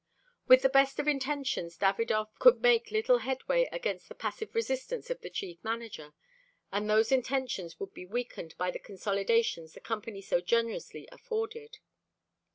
With the best of intentions Davidov could make little headway against the passive resistance of the Chief Manager, and those intentions would be weakened by the consolidations the Company so generously afforded.